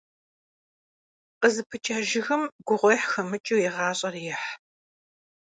Khızıpıç'e jjıgım guğuêh xemıç'ıu yi ğaş'er yêh.